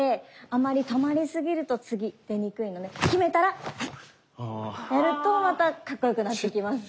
あまり止まりすぎると次出にくいので極めたらやるとまたかっこよくなってきます。